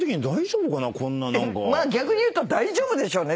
逆に言うと大丈夫でしょうね。